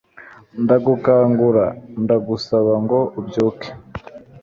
ndagukangura, ndagusaba ngo ubyuke ..